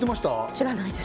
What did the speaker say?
知らないです